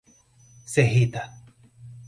Serrita